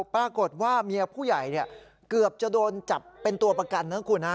ปรากฏว่าเมียผู้ใหญ่เกือบจะโดนจับเป็นตัวประกันนะคุณฮะ